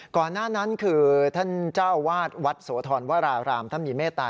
ก่อนหน้านั้นคือท่านเจ้าวาดวัดโสธรวรารามท่านมีเมตตา